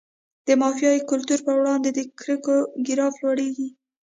د مافیایي کلتور په وړاندې د کرکو ګراف لوړیږي.